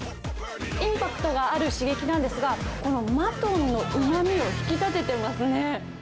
インパクトがある刺激なんですが、このマトンのうまみを引き立ててますね。